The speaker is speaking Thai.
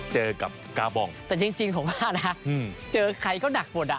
เจอกับกาบองแต่จริงผมว่านะเจอใครก็หนักหมดอ่ะ